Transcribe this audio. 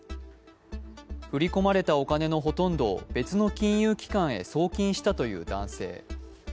振り込まれたお金のほとんどを別の金融機関に送金したという男性。